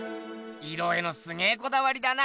色へのすげこだわりだな。